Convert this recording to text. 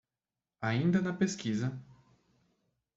Ainda na pesquisa